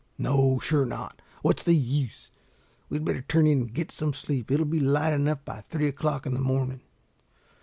"No, sure not. What's the use? We'd better turn in and get some sleep. It'll be light enough by three o'clock in the morning.